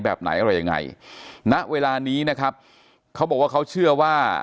แบบไหนอะไรยังไงณเวลานี้นะครับเขาบอกว่าเขาเชื่อว่า